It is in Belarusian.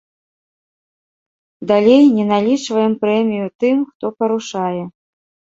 Далей, не налічваем прэмію тым, хто парушае.